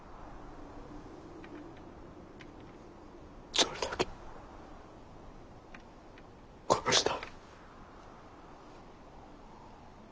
どれだけ殺した？